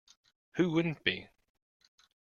Who wouldn't be?